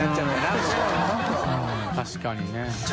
確かにね。